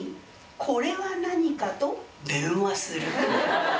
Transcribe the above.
これはなにかと電話する。